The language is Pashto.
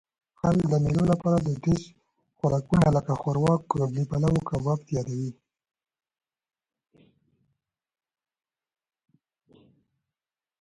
خلک د مېلو له پاره دودیز خوراکونه؛ لکه ښوروا، قابلي پلو، او کباب تیاروي.